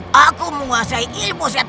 aku tidak ingin memiliki ibu iblis seperti mu